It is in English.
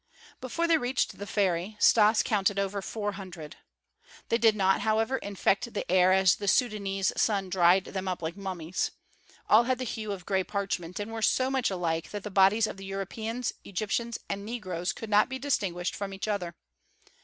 Before they reached the ferry Stas counted over four hundred. They did not, however, infect the air as the Sudânese sun dried them up like mummies; all had the hue of gray parchment, and were so much alike that the bodies of the Europeans, Egyptians, and negroes could not be distinguished from each other.